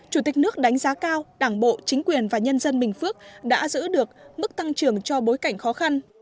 chủ tịch nước đánh giá cao đảng bộ chính quyền và nhân dân bình phước đã giữ được mức tăng trưởng cho bối cảnh khó khăn